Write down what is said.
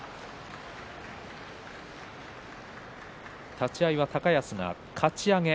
立ち合いは高安が、かち上げ。